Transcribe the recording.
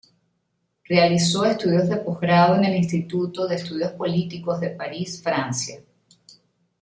Realizó estudios de Posgrado en el Instituto de Estudios Políticos de París, Francia.